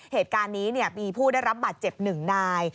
เหตุการณ์นี้มีผู้ได้รับบาดเจ็บ๑นาย